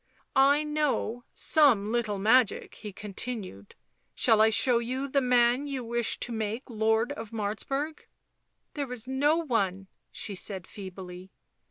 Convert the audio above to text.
" I know some little magic," he continued. " Shall I show you the man you wish to make Lord of Martz burg ?"" There is no one," she said feebly.